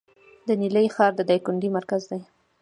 د نیلي ښار د دایکنډي مرکز دی